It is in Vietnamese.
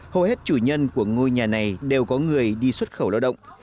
hầu hết chủ nhân của ngôi nhà này đều có người đi xuất khẩu lao động